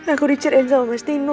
aku diceritain sama mas tino